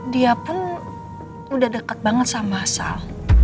dia pun udah deket banget sama sal